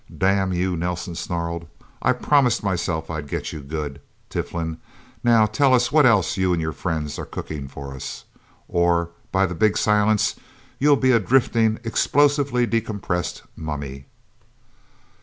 "Damn you!" Nelsen snarled. "I promised myself I'd get you good, Tiflin! Now tell us what else you and your friends are cooking for us, or by the Big Silence, you'll be a drifting, explosively decompressed mummy!"